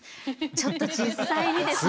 ちょっと実際にですね。